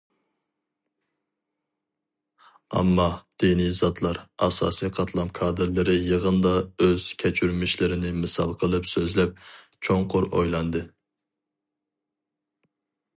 ئامما، دىنىي زاتلار، ئاساسىي قاتلام كادىرلىرى يىغىندا ئۆز كەچۈرمىشلىرىنى مىسال قىلىپ سۆزلەپ، چوڭقۇر ئويلاندى.